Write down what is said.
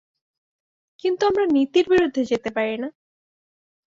কিন্তু আমরা নীতির বিরুদ্ধে যেতে পারি না।